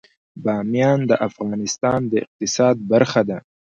بامیان د افغانستان د اقتصاد برخه ده.